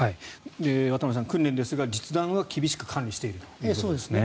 渡部さん、訓練ですが実弾は厳しく管理しているということですね。